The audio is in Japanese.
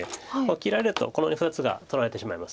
切られるとこの２つが取られてしまいます。